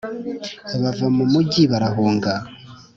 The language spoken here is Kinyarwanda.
bava mu migi barahunga